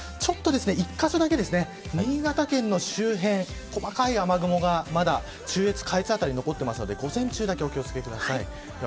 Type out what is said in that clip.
１カ所だけ、新潟県の周辺細かい雨雲がまだ中越、下越辺り残っているので午前中だけお気を付けください。